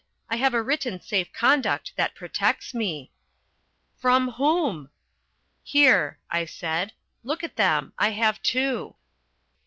"I have a written safe conduct that protects me." "From whom?" "Here," I said, "look at them I have two."